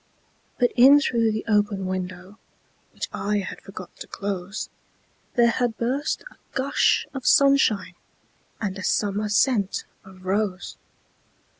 But in through the open window, Which I had forgot to close, There had burst a gush of sunshineAnd a summer scent of rose.